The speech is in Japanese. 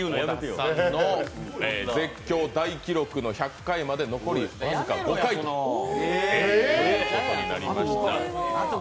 小田さんの絶叫大記録の１００回まで残り僅か５回ということになりました。